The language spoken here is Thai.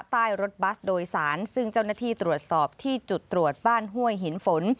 ใต้รถบัสโดยสารซึ่งเจ้าหน้าที่ตรวจสอบที่จุดตรวจบ้านห้วยหินฝน